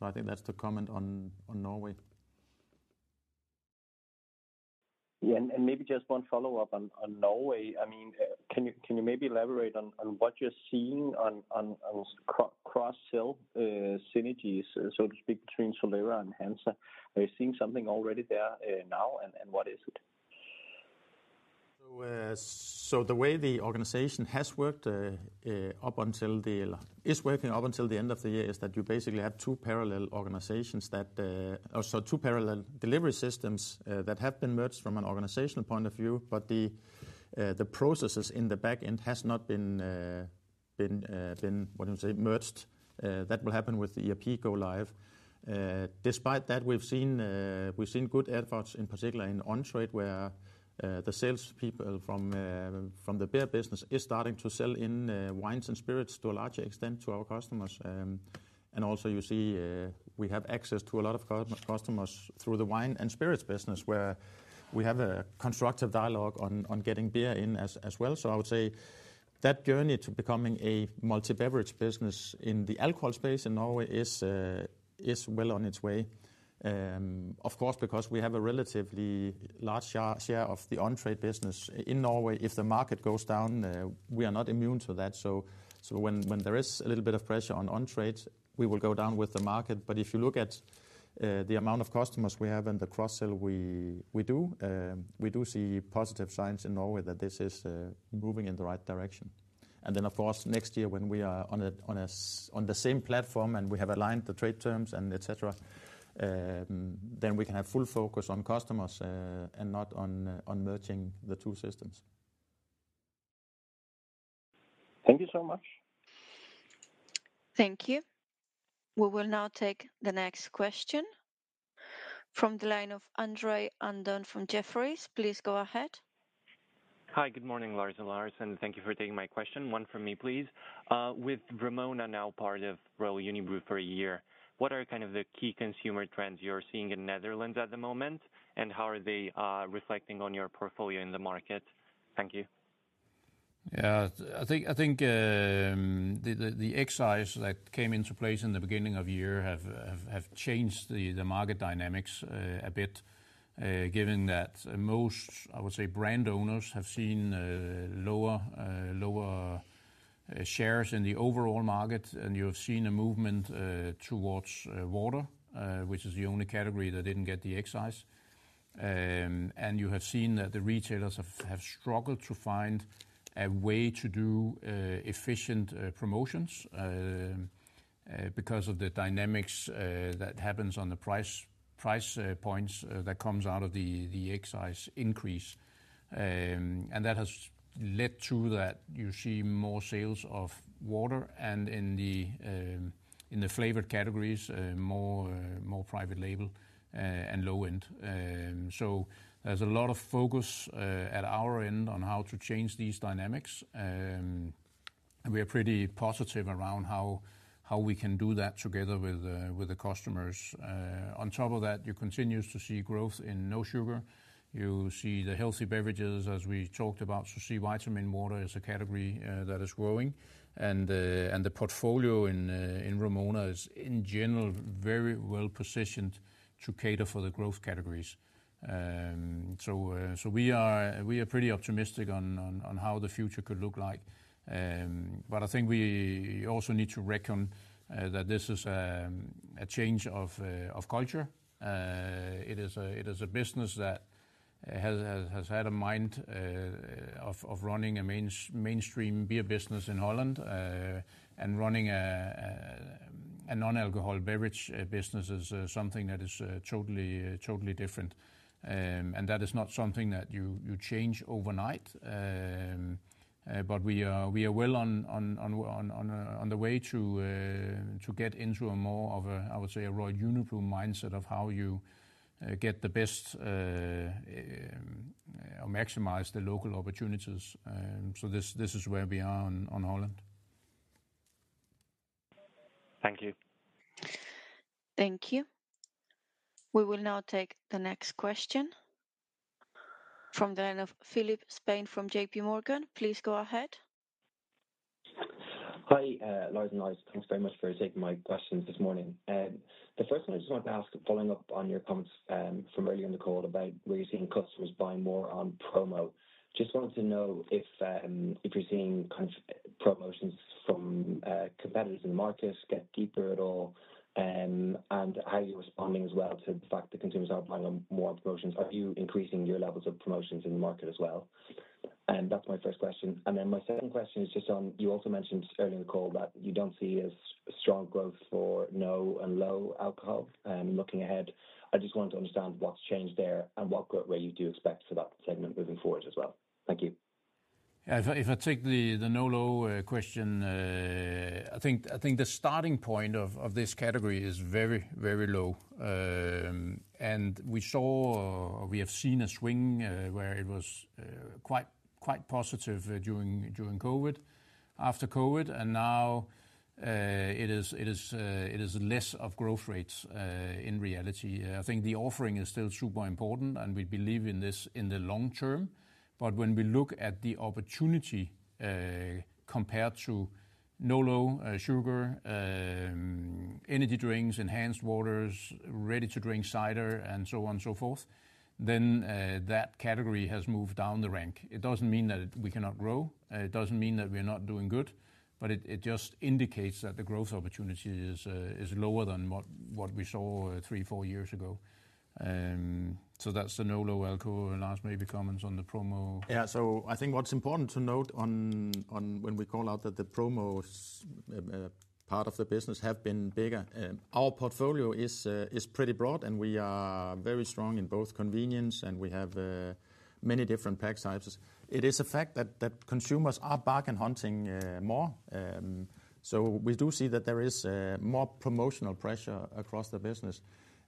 I think that's the comment on Norway. Yeah, and maybe just one follow-up on Norway. I mean, can you maybe elaborate on what you're seeing on cross-sale synergies, so to speak, between Solera and Hansa? Are you seeing something already there now and what is it? So the way the organization has worked up until now it's working up until the end of the year is that you basically have two parallel organizations, so two parallel delivery systems that have been merged from an organizational point of view, but the processes in the backend have not been, what do you say, merged. That will happen with the ERP go live. Despite that, we've seen good efforts, in particular in on-trade, where the salespeople from the beer business are starting to sell in wines and spirits to a larger extent to our customers. And also you see we have access to a lot of customers through the wine and spirits business, where we have a constructive dialogue on getting beer in as well. So I would say that journey to becoming a multi-beverage business in the alcohol space in Norway is well on its way. Of course, because we have a relatively large share of the on-trade business in Norway, if the market goes down, we are not immune to that. So when there is a little bit of pressure on on-trade, we will go down with the market. But if you look at the amount of customers we have and the cross-sale we do, we do see positive signs in Norway that this is moving in the right direction, and then of course next year when we are on the same platform and we have aligned the trade terms and etc., then we can have full focus on customers and not on merging the two systems. Thank you so much. Thank you. We will now take the next question from the line of Andrei Andon and then from Jefferies. Please go ahead. Hi, good morning, Lars and Lars. And thank you for taking my question. One for me, please. With Vrumona now part of Royal Unibrew for a year, what are kind of the key consumer trends you're seeing in the Netherlands at the moment? And how are they reflecting on your portfolio in the market? Thank you. Yeah, I think the excise that came into place in the beginning of the year have changed the market dynamics a bit, given that most, I would say, brand owners have seen lower shares in the overall market. And you have seen a movement towards water, which is the only category that didn't get the excise. And you have seen that the retailers have struggled to find a way to do efficient promotions because of the dynamics that happens on the price points that comes out of the excise increase. And that has led to that you see more sales of water and in the flavored categories, more private label and low-end. So there's a lot of focus at our end on how to change these dynamics. We are pretty positive around how we can do that together with the customers. On top of that, you continue to see growth in no sugar. You see the healthy beverages, as we talked about, so Sourcy Vitamin Water is a category that is growing, and the portfolio in Vrumona is in general very well positioned to cater for the growth categories, so we are pretty optimistic on how the future could look like, but I think we also need to reckon that this is a change of culture. It is a business that has had a mind of running a mainstream beer business in Holland and running a non-alcohol beverage business is something that is totally different, and that is not something that you change overnight, but we are well on the way to get into a more of a, I would say, a Royal Unibrew mindset of how you get the best or maximize the local opportunities. This is where we are on Holland. Thank you. Thank you. We will now take the next question from the line of Philip Spain from JPMorgan. Please go ahead. Hi, Lars and Lars. Thanks very much for taking my questions this morning. The first one I just wanted to ask, following up on your comments from earlier in the call about where you're seeing customers buy more on promo, just wanted to know if you're seeing kind of promotions from competitors in the markets get deeper at all and how you're responding as well to the fact that consumers are buying more on promotions. Are you increasing your levels of promotions in the market as well? And that's my first question. And then my second question is just on, you also mentioned earlier in the call that you don't see as strong growth for no and low alcohol. And looking ahead, I just want to understand what's changed there and what growth rate you do expect for that segment moving forward as well. Thank you. Yeah, if I take the no-low question, I think the starting point of this category is very, very low. And we saw or we have seen a swing where it was quite positive during COVID, after COVID. And now it is less of growth rates in reality. I think the offering is still super important and we believe in this in the long term. But when we look at the opportunity compared to no-low sugar, energy drinks, enhanced waters, ready-to-drink Cider, and so on and so forth, then that category has moved down the rank. It doesn't mean that we cannot grow. It doesn't mean that we're not doing good, but it just indicates that the growth opportunity is lower than what we saw three, four years ago. So that's the no-low alcohol. Lars, maybe comments on the promo. Yeah, so I think what's important to note when we call out that the promo part of the business has been bigger. Our portfolio is pretty broad and we are very strong in both convenience and we have many different pack sizes. It is a fact that consumers are bargain hunting more. So we do see that there is more promotional pressure across the business.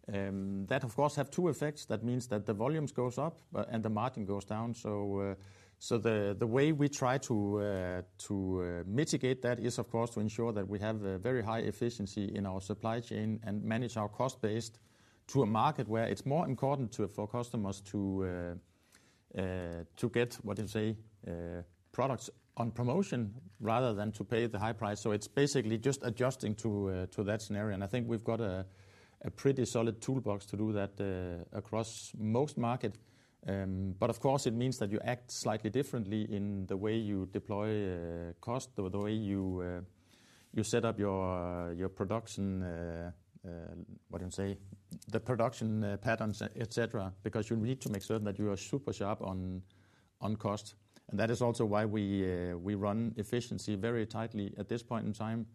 That, of course, has two effects. That means that the volumes go up and the margin goes down. So the way we try to mitigate that is, of course, to ensure that we have very high efficiency in our supply chain and manage our cost base to a market where it's more important for customers to get what you say, products on promotion rather than to pay the high price. So it's basically just adjusting to that scenario. I think we've got a pretty solid toolbox to do that across most markets. But of course, it means that you act slightly differently in the way you deploy cost or the way you set up your production, what do you say, the production patterns, etc., because you need to make certain that you are super sharp on cost. That is also why we run efficiency very tightly at this point in time,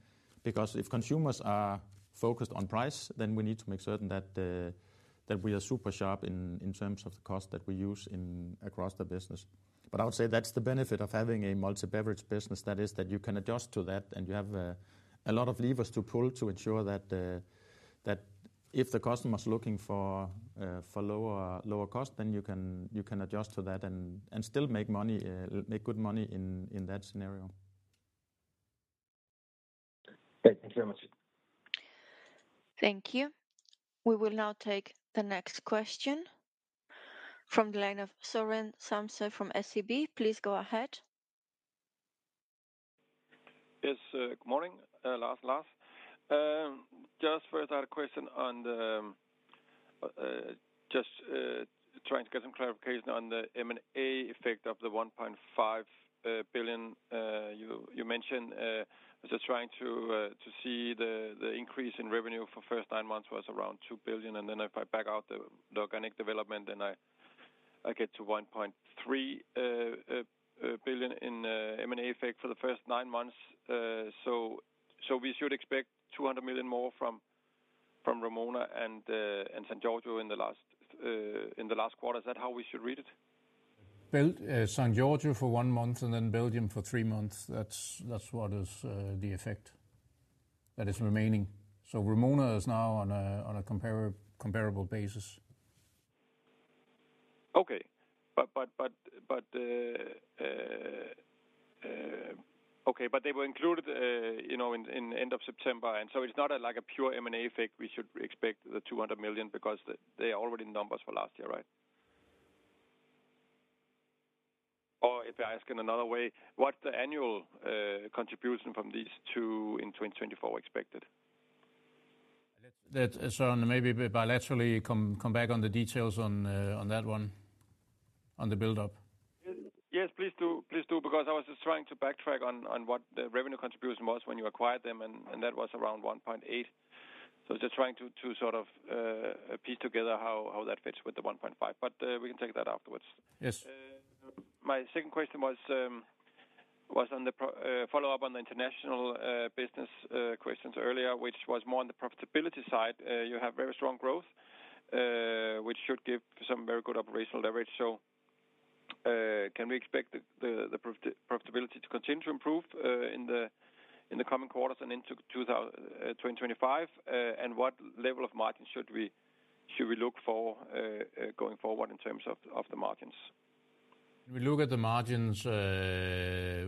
because if consumers are focused on price, then we need to make certain that we are super sharp in terms of the cost that we use across the business. I would say that's the benefit of having a multi-beverage business. That is that you can adjust to that and you have a lot of levers to pull to ensure that if the customer is looking for lower cost, then you can adjust to that and still make money, make good money in that scenario. Okay, thank you very much. Thank you. We will now take the next question from the line of Søren Samsøe from SEB. Please go ahead. Yes, good morning, Lars, Lars. Just further question on just trying to get some clarification on the M&A effect of the 1.5 billion you mentioned. So trying to see the increase in revenue for the first nine months was around 2 billion. And then if I back out the organic development, then I get to 1.3 billion in M&A effect for the first nine months. So we should expect 200 million more from Vrumona and San Giorgio in the last quarter. Is that how we should read it? Built San Giorgio for one month and then built him for three months. That's what is the effect that is remaining. So Vrumona is now on a comparable basis. Okay. Okay, but they were included at the end of September, and so it's not like a pure M&A effect we should expect the 200 million because they are already numbers for last year, right? Or if I ask in another way, what's the annual contribution from these two in 2024 expected? Søren, maybe bilaterally come back on the details on that one, on the build-up. Yes, please do. Please do, because I was just trying to backtrack on what the revenue contribution was when you acquired them, and that was around 1.8. So just trying to sort of piece together how that fits with the 1.5. But we can take that afterwards. Yes. My second question was on the follow-up on the international business questions earlier, which was more on the profitability side. You have very strong growth, which should give some very good operational leverage. So can we expect the profitability to continue to improve in the coming quarters and into 2025? And what level of margin should we look for going forward in terms of the margins? We look at the margins. That's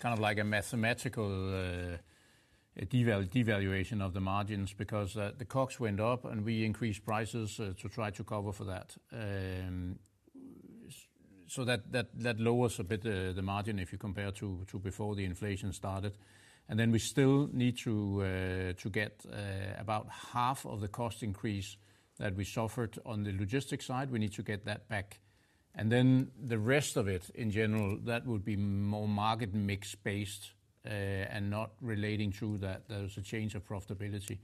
kind of like a mathematical devaluation of the margins because the COGS went up and we increased prices to try to cover for that. So that lowers a bit the margin if you compare to before the inflation started, and then we still need to get about half of the cost increase that we suffered on the logistics side. We need to get that back, and then the rest of it, in general, that would be more market mix based and not relating to that there's a change of profitability.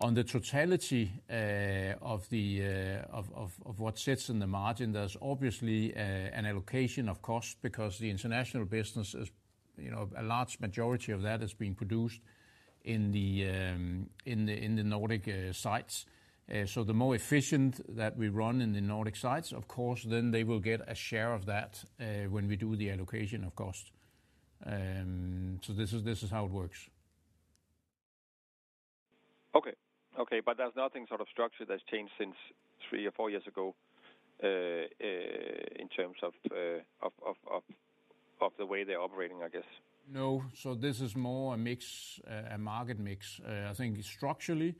On the totality of what sits in the margin, there's obviously an allocation of cost because the international business, a large majority of that is being produced in the Nordic sites. So the more efficient that we run in the Nordic sites, of course, then they will get a share of that when we do the allocation of cost. So this is how it works. Okay. Okay, but there's nothing sort of structured that's changed since three or four years ago in terms of the way they're operating, I guess. No, so this is more a mix, a market mix. I think structurally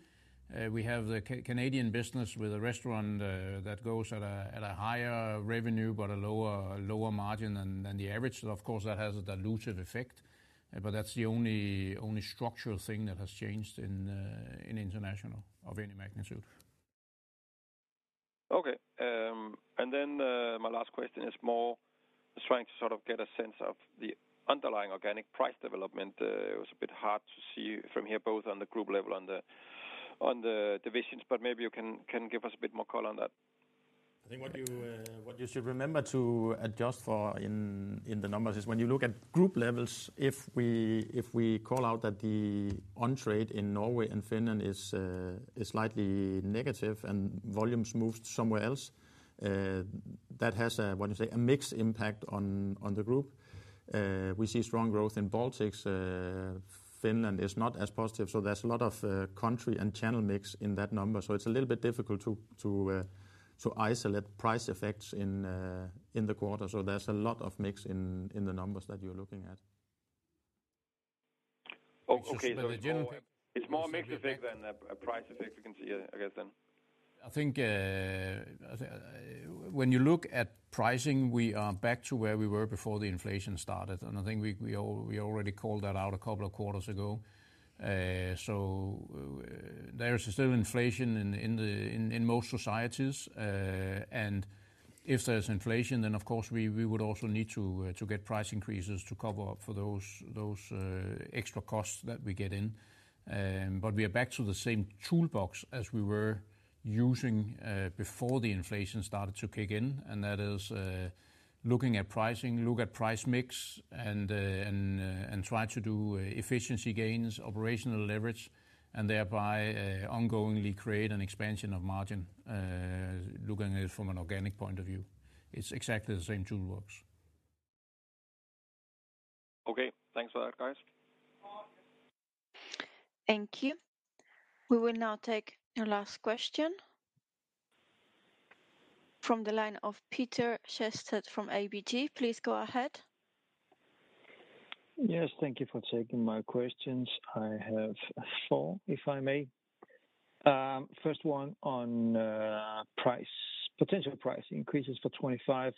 we have the Canadian business with a restaurant that goes at a higher revenue, but a lower margin than the average, so of course that has a dilutive effect, but that's the only structural thing that has changed in international of any magnitude. Okay. And then my last question is more trying to sort of get a sense of the underlying organic price development. It was a bit hard to see from here both on the group level and the divisions, but maybe you can give us a bit more color on that. I think what you should remember to adjust for in the numbers is when you look at group levels, if we call out that the on-trade in Norway and Finland is slightly negative and volumes moved somewhere else, that has a, what do you say, a mix impact on the group. We see strong growth in Baltics. Finland is not as positive. So there's a lot of country and channel mix in that number. So it's a little bit difficult to isolate price effects in the quarter. So there's a lot of mix in the numbers that you're looking at. Okay. So it's more a mixed effect than a price effect. We can see it, I guess, then. I think when you look at pricing, we are back to where we were before the inflation started. And I think we already called that out a couple of quarters ago. So there's still inflation in most societies. And if there's inflation, then of course we would also need to get price increases to cover up for those extra costs that we get in. But we are back to the same toolbox as we were using before the inflation started to kick in. And that is looking at pricing, look at price mix, and try to do efficiency gains, operational leverage, and thereby ongoingly create an expansion of margin looking at it from an organic point of view. It's exactly the same toolbox. Okay. Thanks for that, guys. Thank you. We will now take your last question from the line of Peter Sehested from ABG. Please go ahead. Yes, thank you for taking my questions. I have four, if I may. First one on price, potential price increases for 2025.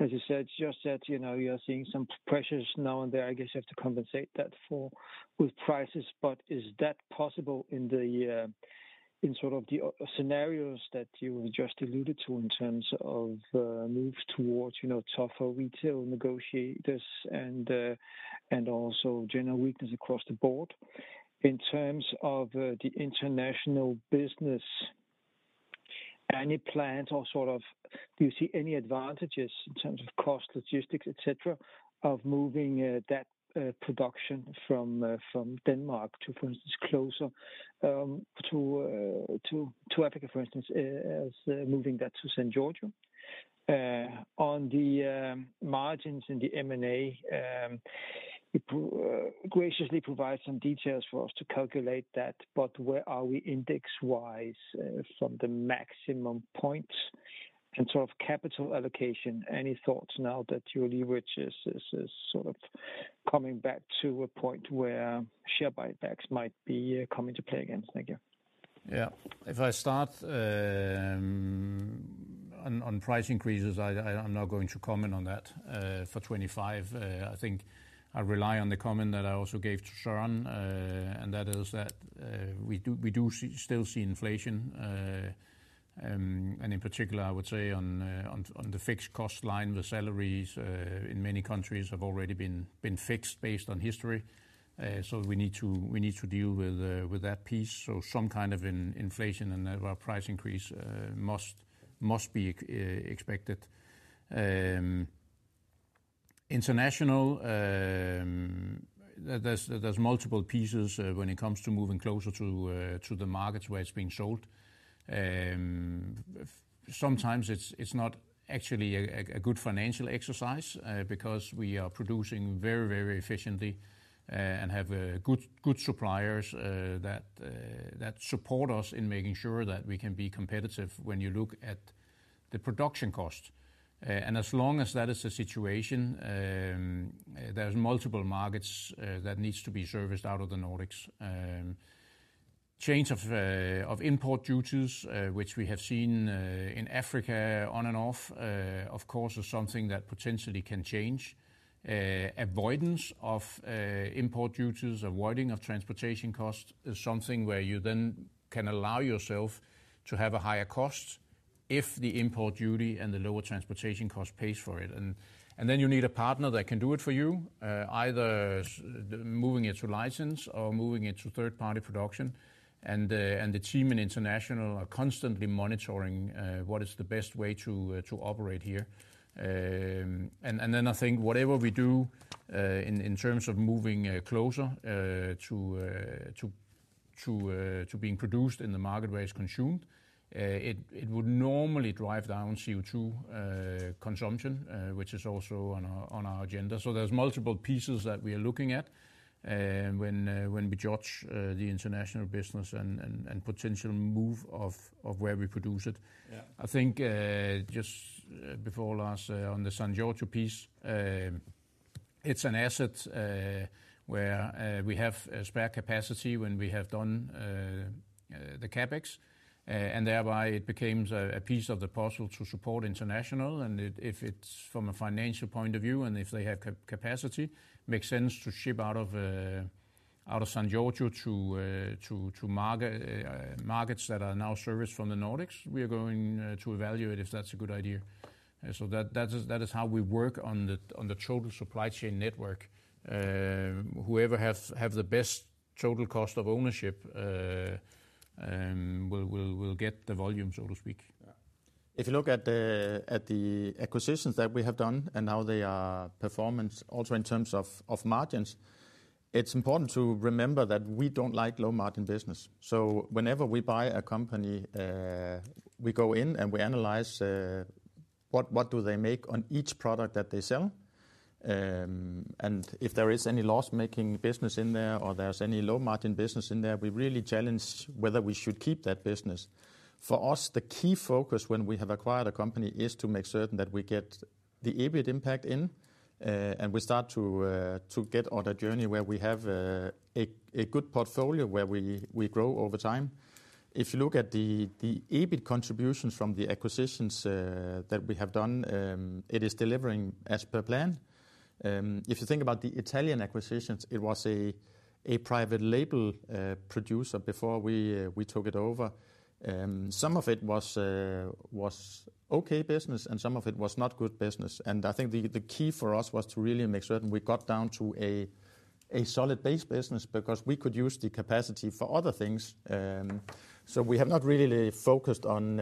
As you said, just that you're seeing some pressures now and then. I guess you have to compensate for that with prices. But is that possible in sort of the scenarios that you just alluded to in terms of moves towards tougher retail negotiators and also general weakness across the board in terms of the international business? Any plans or sort of do you see any advantages in terms of cost, logistics, etc., of moving that production from Denmark to, for instance, closer to Africa, for instance, moving that to San Giorgio? On the margins in the M&A, you graciously provide some details for us to calculate that. But where are we index-wise from the maximum points and sort of capital allocation? Any thoughts now that your leverage is sort of coming back to a point where share buybacks might be coming to play again? Thank you. Yeah. If I start on price increases, I'm not going to comment on that for 2025. I think I rely on the comment that I also gave to Søren, and that is that we do still see inflation, and in particular, I would say on the fixed cost line, the salaries in many countries have already been fixed based on history, so we need to deal with that piece, so some kind of inflation and that price increase must be expected. International, there's multiple pieces when it comes to moving closer to the markets where it's being sold. Sometimes it's not actually a good financial exercise because we are producing very, very efficiently and have good suppliers that support us in making sure that we can be competitive when you look at the production cost. And as long as that is the situation, there's multiple markets that need to be serviced out of the Nordics. Change of import duties, which we have seen in Africa on and off, of course, is something that potentially can change. Avoidance of import duties, avoiding of transportation cost is something where you then can allow yourself to have a higher cost if the import duty and the lower transportation cost pays for it. And then you need a partner that can do it for you, either moving it to license or moving it to third-party production. And the team in international are constantly monitoring what is the best way to operate here. And then I think whatever we do in terms of moving closer to being produced in the market where it's consumed, it would normally drive down CO2 consumption, which is also on our agenda. So there's multiple pieces that we are looking at when we judge the international business and potential move of where we produce it. I think just before last on the San Giorgio piece, it's an asset where we have spare capacity when we have done the CapEx. And thereby it becomes a piece of the puzzle to support international. And if it's from a financial point of view and if they have capacity, it makes sense to ship out of San Giorgio to markets that are now serviced from the Nordics. We are going to evaluate if that's a good idea. So that is how we work on the total supply chain network. Whoever has the best total cost of ownership will get the volume, so to speak. If you look at the acquisitions that we have done and how they are performing also in terms of margins, it's important to remember that we don't like low-margin business. So whenever we buy a company, we go in and we analyze what do they make on each product that they sell. And if there is any loss-making business in there or there's any low-margin business in there, we really challenge whether we should keep that business. For us, the key focus when we have acquired a company is to make certain that we get the EBIT impact in and we start to get on a journey where we have a good portfolio where we grow over time. If you look at the EBIT contributions from the acquisitions that we have done, it is delivering as per plan. If you think about the Italian acquisitions, it was a private label producer before we took it over. Some of it was okay business and some of it was not good business, and I think the key for us was to really make certain we got down to a solid base business because we could use the capacity for other things, so we have not really focused on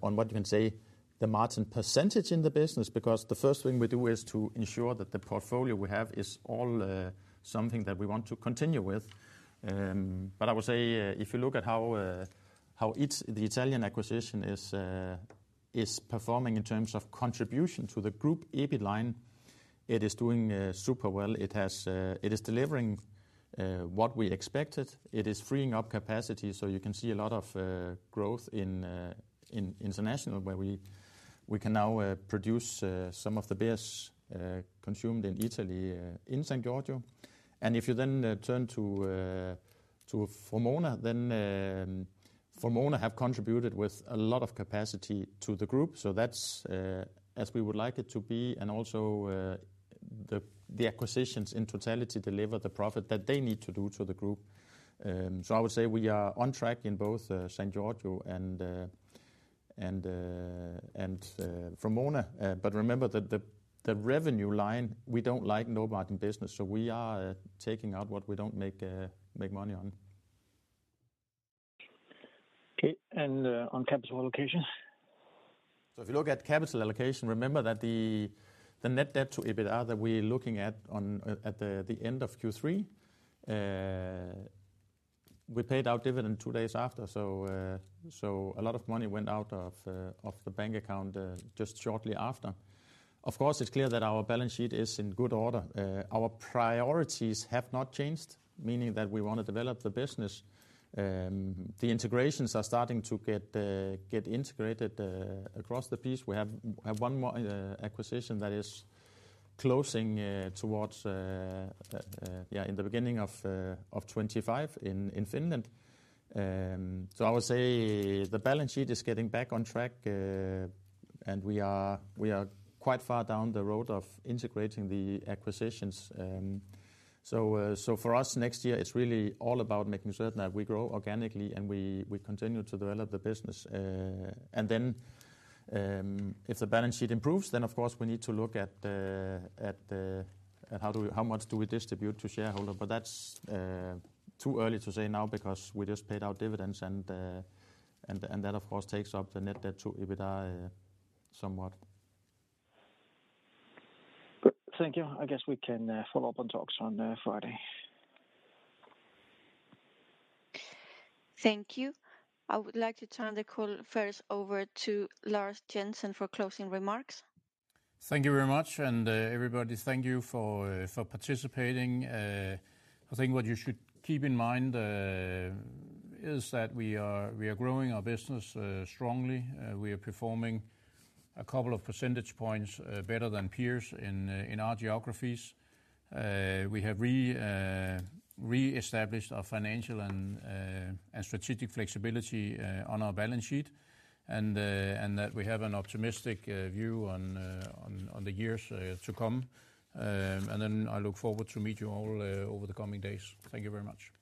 what you can say the margin percentage in the business because the first thing we do is to ensure that the portfolio we have is all something that we want to continue with, but I would say if you look at how the Italian acquisition is performing in terms of contribution to the group EBIT line, it is doing super well. It is delivering what we expected. It is freeing up capacity. You can see a lot of growth in international where we can now produce some of the beers consumed in Italy in San Giorgio. If you then turn to Vrumona, then Vrumona have contributed with a lot of capacity to the group. That's as we would like it to be. Also the acquisitions in totality deliver the profit that they need to do to the group. I would say we are on track in both San Giorgio and Vrumona. Remember that the revenue line, we don't like low-margin business. We are taking out what we don't make money on. Okay. And on capital allocation? So if you look at capital allocation, remember that the net debt to EBITDA that we're looking at at the end of Q3, we paid out dividend two days after. So a lot of money went out of the bank account just shortly after. Of course, it's clear that our balance sheet is in good order. Our priorities have not changed, meaning that we want to develop the business. The integrations are starting to get integrated across the board. We have one more acquisition that is closing towards the beginning of 2025 in Finland. So I would say the balance sheet is getting back on track and we are quite far down the road of integrating the acquisitions. So for us, next year it's really all about making certain that we grow organically and we continue to develop the business. And then if the balance sheet improves, then of course we need to look at how much do we distribute to shareholders. But that's too early to say now because we just paid out dividends and that of course takes up the net debt to EBITDA somewhat. Thank you. I guess we can follow up on talks on Friday. Thank you. I would like to turn the call first over to Lars Jensen for closing remarks. Thank you very much. And everybody, thank you for participating. I think what you should keep in mind is that we are growing our business strongly. We are performing a couple of percentage points better than peers in our geographies. We have re-established our financial and strategic flexibility on our balance sheet and that we have an optimistic view on the years to come. And then I look forward to meet you all over the coming days. Thank you very much.